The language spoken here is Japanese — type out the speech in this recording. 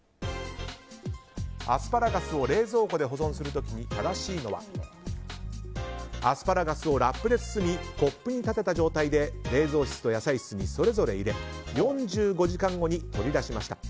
アスパラガスを冷蔵庫で保存する時に正しいのはアスパラガスをラップで包みコップに立てた状態で冷蔵室と野菜室にそれぞれ入れ４５時間後に取り出しました。